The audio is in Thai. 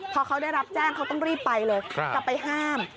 พอเขาได้รับแจ้งเขาต้องรีบไปเลยจะไปห้าม